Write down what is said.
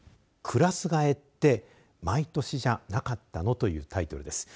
“クラス替え”って毎年じゃなかったの？というタイトルです。